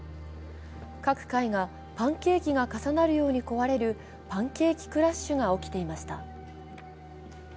各階がパンケーキが重なるように壊れるパンケーキクラッシュが起きていました。